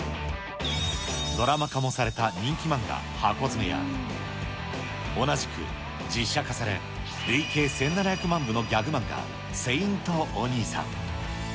ドラマ化もされた人気漫画、ハコヅメや同じく実写化され、累計１７００万部のギャグ漫画、聖☆おにいさん。